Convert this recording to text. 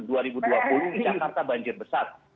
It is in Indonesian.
di jakarta banjir besar